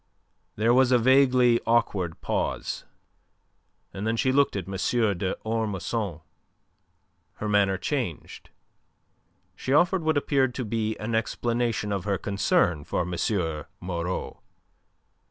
There was a vaguely awkward pause. And then she looked at M. d'Ormesson. Her manner changed. She offered what appeared to be an explanation of her concern for M. Moreau.